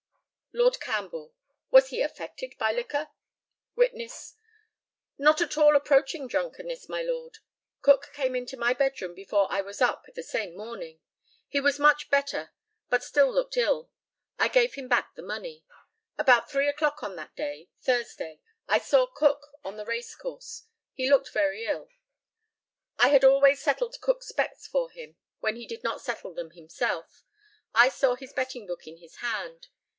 Lord CAMPBELL: Was he affected by liquor? Witness: Not at all approaching drunkenness, my lord. Cook came into my bedroom before I was up the same morning. He was much better, but still looked ill. I gave him back his money. About three o'clock on that day (Thursday) I saw Cook on the race course. He looked very ill. I had always settled Cook's bets for him when he did not settle them himself. I saw his betting book in his hand.